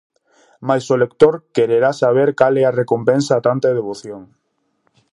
Mais o lector quererá saber: cal é a recompensa a tanta devoción?